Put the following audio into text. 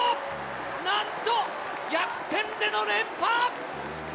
なんと逆転での連覇！